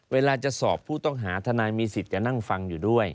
เวลาจะสอบผู้ต้องหาทนายมีสิทธิ์จะนั่งฟังอยู่ด้วย